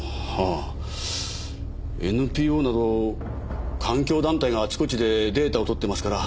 はぁＮＰＯなど環境団体があちこちでデータを取ってますから。